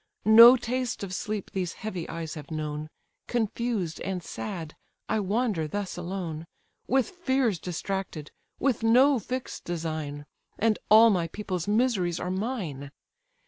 No taste of sleep these heavy eyes have known, Confused, and sad, I wander thus alone, With fears distracted, with no fix'd design; And all my people's miseries are mine.